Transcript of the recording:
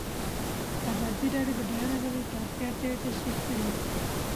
ازادي راډیو د د بیان آزادي د پراختیا اړتیاوې تشریح کړي.